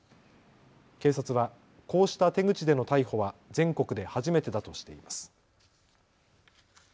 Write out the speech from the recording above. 警察はこうした手口での逮捕は全国で初めてだとしています。